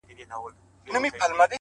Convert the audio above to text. دې راوړي دې تر گور باڼه!!